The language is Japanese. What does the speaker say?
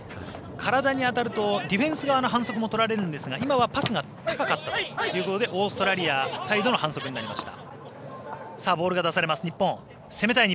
体に当たるとディフェンス側の反則がとられるんですが今はパスが高かったということでオーストラリアサイドの反則になりました。